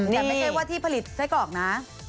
แต่ไม่ใช่ว่าที่ผลิตไส้กรอกนะ